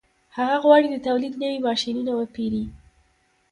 هغه غواړي د تولید نوي ماشینونه وپېري